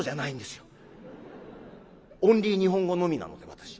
オンリー日本語のみなので私。